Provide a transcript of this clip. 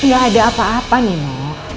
nggak ada apa apa nino